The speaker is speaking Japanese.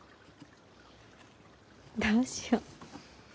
どうしよう。